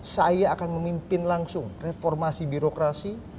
saya akan memimpin langsung reformasi birokrasi